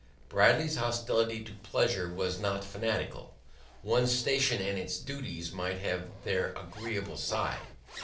Bradley's hostility to pleasure was not fanatical: one's station and its duties might have their agreeable side.